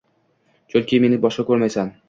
Chunki meni boshqa ko`rmaysan